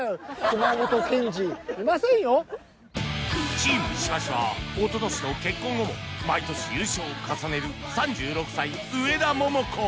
チーム石橋は一昨年の結婚後も毎年優勝を重ねる３６歳上田桃子